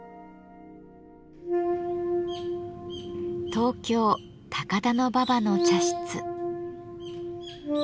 東京・高田馬場の茶室。